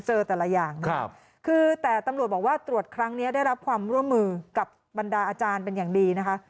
เจอแต่ละอย่างนะครับคือแต่ตำรวจบอกว่าตรวจครั้งนี้ได้รับความร่วมมือกับบรรดาอาจารย์เป็นอย่างดีนะคะ